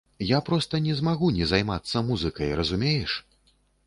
Я проста не змагу не займацца музыкай, разумееш?